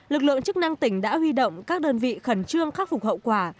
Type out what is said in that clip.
lực lượng chức năng tỉnh đã huy động các đơn vị khẩn trương khắc phục hậu quả